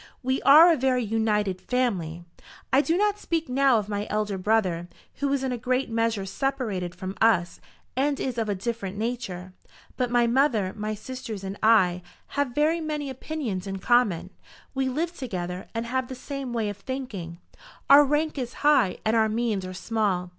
We are a very united family. I do not speak now of my elder brother, who is in a great measure separated from us and is of a different nature. But my mother, my sisters, and I, have very many opinions in common. We live together, and have the same way of thinking. Our rank is high, and our means are small.